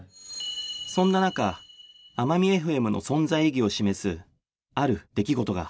そんな中あまみエフエムの存在意義を示すある出来事が